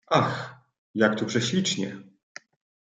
"Ach, jak tu prześlicznie!"